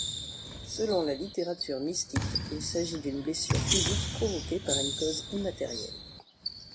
Selon la littérature mystique, il s'agit d'une blessure physique provoquée par une cause immatérielle.